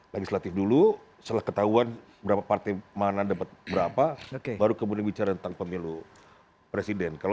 legislatif dulu setelah ketahuan berapa partai mana dapat berapa baru kemudian bicara tentang pemilu presiden